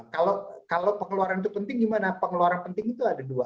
kalau pengeluaran itu penting gimana pengeluaran penting itu ada dua